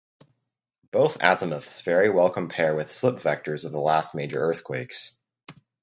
Both azimuths very well compare with slip vectors of the last major earthquakes.